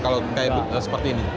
kalau seperti ini